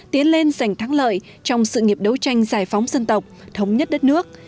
tiến lên giành thắng lợi trong sự nghiệp đấu tranh giải phóng dân tộc thống nhất đất nước